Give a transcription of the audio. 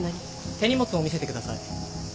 手荷物を見せてください。